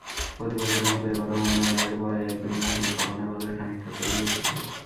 প্রতিবছরের মতো এবারও রমজানের আগে-পরে এক-দেড় মাস নিত্যপণ্যের বাজার খানিকটা চড়ে গিয়েছিল।